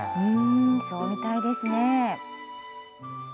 そうみたいですね。